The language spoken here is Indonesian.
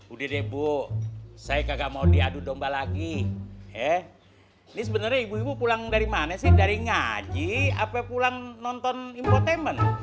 udah deh bu saya kagak mau diadu domba lagi eh ini sebenarnya ibu ibu pulang dari mana sih dari ngaji sampai pulang nonton importainment